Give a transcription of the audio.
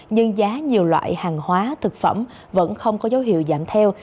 nhưng giá nhiều loại hàng hóa thực phẩm vẫn không có dấu hiệu giảm theo